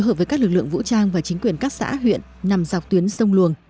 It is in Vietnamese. trước đó các lực lượng vũ trang và chính quyền các xã huyện nằm dọc tuyến sông luồng